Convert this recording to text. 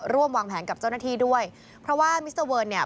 ร่วมวางแผนกับเจ้าหน้าที่ด้วยเพราะว่ามิสเตอร์เวิร์นเนี่ย